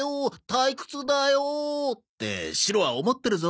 退屈だよ」ってシロは思ってるぞ。